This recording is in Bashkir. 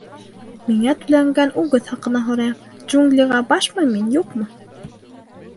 Миңә түләнгән үгеҙ хаҡына һорайым: джунглиға башмы мин, юҡмы?